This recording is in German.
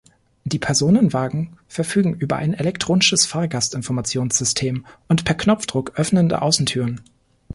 Die Personenwagen verfügen über ein elektronisches Fahrgastinformationssystem und per Knopfdruck öffnende Außentüren.